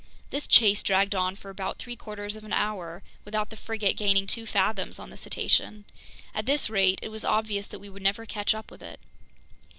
This chase dragged on for about three quarters of an hour without the frigate gaining two fathoms on the cetacean. At this rate, it was obvious that we would never catch up with it.